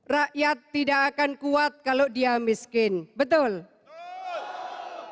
rakyat tidak akan kuat kalau dia miskin betul